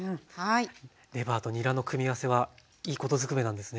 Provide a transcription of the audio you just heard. レバーとにらの組み合わせはいいことずくめなんですね。